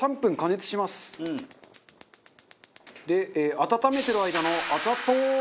温めてる間の熱々トーク！